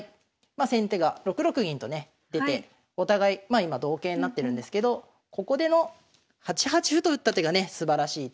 まあ先手が６六銀とね出てお互いまあ今同型になってるんですけどここでの８八歩と打った手がねすばらしい手で。